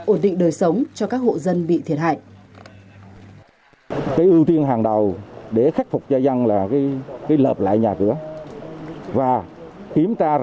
ổn định đời sống cho các hộ dân bị thiệt hại